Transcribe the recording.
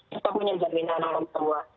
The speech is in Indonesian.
kita punya jaminan lahir tua